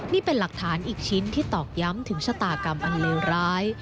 นี่เป็นหลักฐานอีกชิ้นที่ตอกย้ำถึงชะตากรรมอันเลวร้าย